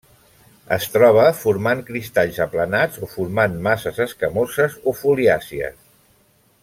Es troba formant cristalls aplanats o formant masses escamoses o foliàcies.